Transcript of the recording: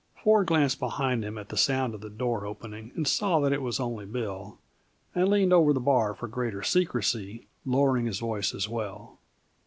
Ford glanced behind him at the sound of the door opening, saw that it was only Bill, and leaned over the bar for greater secrecy, lowering his voice as well.